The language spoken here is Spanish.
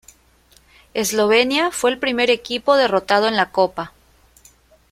Eslovenia fue el primer equipo derrotado en la Copa.